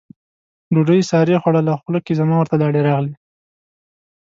ډوډۍ سارې خوړله، خوله کې زما ورته لاړې راغلې.